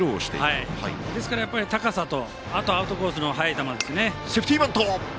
ですから高さとあと、アウトコースの速い球ですね。